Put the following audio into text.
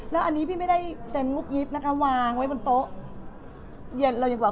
แล้วอันนี้พี่ไม่ได้เซ็นงุบงิบนะคะวางไว้บนโต๊ะเย็นเราดีกว่า